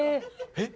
えっ？